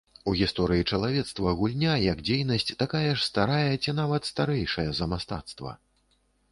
У гісторыі чалавецтва гульня, як дзейнасць, такая ж старая ці нават старэйшая за мастацтва.